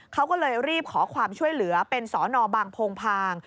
เขาก็เลยรีบขอความช่วยเหลือเป็นสอนอบางโพงพาง